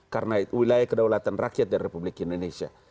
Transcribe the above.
karena wilayah kedaulatan rakyat dari republik indonesia